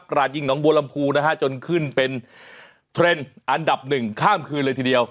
ราดยิงน้องบัวลำพูนะฮะจนขึ้นเป็นเทรนด์อันดับหนึ่งข้ามคืนเลยทีเดียว